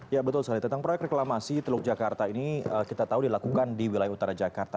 ya betul sekali tentang proyek reklamasi teluk jakarta ini kita tahu dilakukan di wilayah utara jakarta